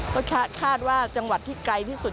ก็คาดว่าจังหวัดที่ไกลที่สุด